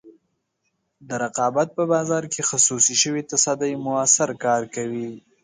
د رقابت په بازار کې خصوصي شوې تصدۍ موثر کار کوي.